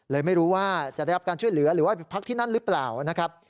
ไม่รู้ว่าจะได้รับการช่วยเหลือหรือว่าไปพักที่นั่นหรือเปล่านะครับ